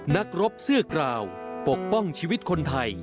นักรบเสื้อกราวปกป้องชีวิตคนไทย